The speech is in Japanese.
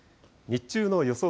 日中の予想